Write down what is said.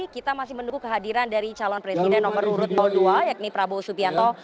kita masih menunggu kehadiran dari calon presiden nomor urut dua yakni prabowo subianto